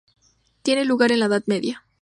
Tiene lugar en la edad media.